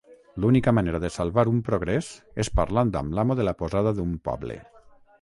L'única manera de salvar un progrés és parlant amb l'amo de la posada d'un poble.